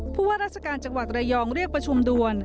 ผู้ว่าราชการจังหวัดระยองเรียกประชุมด่วน